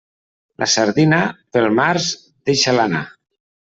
La sardina, pel març, deixa-la anar.